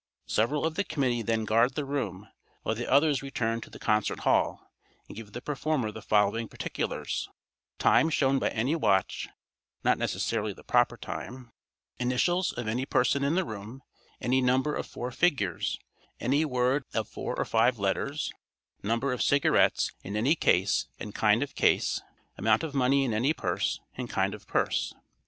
Several of the committee then guard the room, while the others return to the concert hall and give the performer the following particulars:—Time shown by any watch (not necessarily the proper time); initials of any person in the room; any number of four figures; any word of four or five letters; number of cigarettes in any case, and kind of case; amount of money in any purse, and kind of purse.